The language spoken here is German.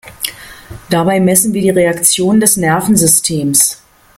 Dabei messen wir die Reaktion des Nervensystems.